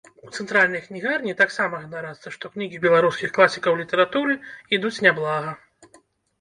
У цэнтральнай кнігарні таксама ганарацца, што кнігі беларускіх класікаў літаратуры ідуць няблага.